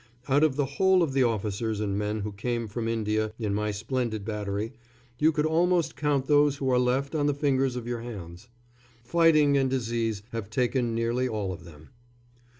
Out of the whole of the officers and men who came from India in my splendid battery, you could almost count those who are left on the fingers of your hands. Fighting and disease have taken nearly all of them.